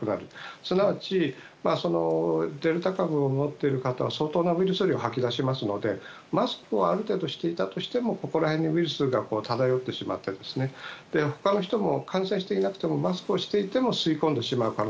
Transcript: すなわち、デルタ株を持っている方は相当なウイルス量を吐き出しますので、マスクをある程度していたとしてもここら辺にウイルスが漂ってしまって他の人も感染していなくてもマスクをしていても吸い込んでしまう。